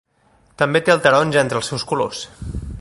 També té el taronja entre els seus colors.